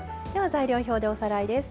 材料表でおさらいです。